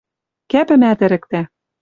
Кӓпӹмӓт ӹрӹктӓ.